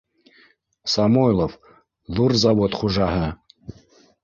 Самойлов — ҙур завод хужаһы.